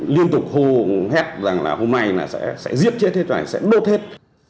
liên tục hô hết rằng là hôm nay là sẽ giết chết hết rồi sẽ đốt hết